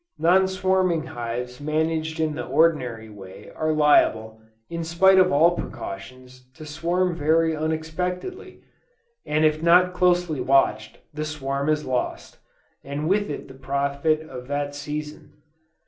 Non swarming hives managed in the ordinary way are liable, in spite of all precautions, to swarm very unexpectedly, and if not closely watched, the swarm is lost, and with it the profit of that season.